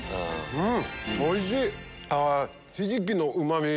うん！